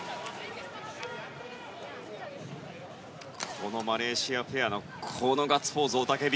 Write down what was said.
このマレーシアペアのガッツポーズ、雄たけび。